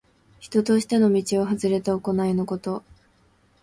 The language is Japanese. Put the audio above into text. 人としての道をはずれた行いのこと。